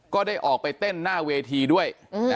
ก็ได้ออกไปเต้นหน้าเวทีด้วย